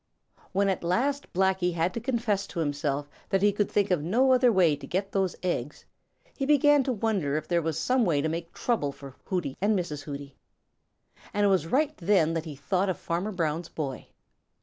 When at last Blacky had to confess to himself that he could think of no other way to get those eggs, he began to wonder if there was some way to make trouble for Hooty and Mrs. Hooty. It was right then that he thought of Farmer Brown's boy.